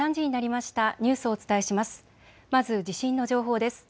まず地震の情報です。